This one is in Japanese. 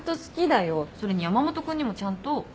それに山本君にもちゃんと。